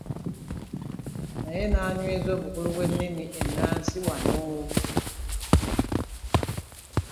Naye n'anyweza obukulu bw'ennimi ennansi wano.